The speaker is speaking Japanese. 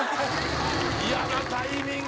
嫌なタイミング。